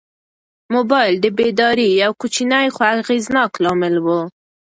موبایل د بیدارۍ یو کوچنی خو اغېزناک لامل و.